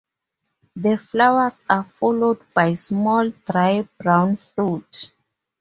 The flowers are followed by small, dry, brown fruit.